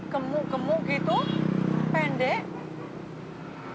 gemuk gemuk gitu pendek